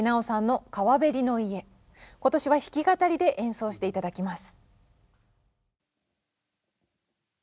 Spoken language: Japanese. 今年は弾き語りで演奏して頂きます。